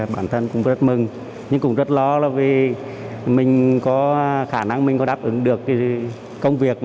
bản thân cũng rất mừng nhưng cũng rất lo vì mình có khả năng đáp ứng được công việc